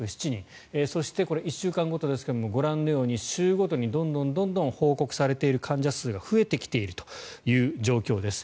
そして、１週間ごとですがご覧のように週ごとにどんどん報告されている患者数が増えてきているという状況です。